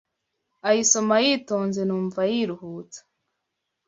Ayisoma yitonze Numva yiruhutsa